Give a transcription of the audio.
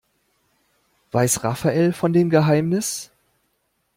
Weiß Rafael von dem Geheimnis?